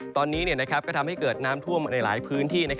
ตอนนี้ก็ทำให้เกิดน้ำท่วมในหลายพื้นที่